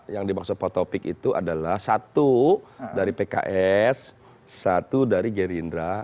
yang dimaksud pak topik itu adalah satu dari pks satu dari gerindra